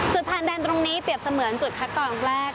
จุดพันธ์แดนตรงนี้เปรียบเสมือนจุดคัดกรรมแรก